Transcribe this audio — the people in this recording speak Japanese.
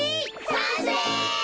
さんせい！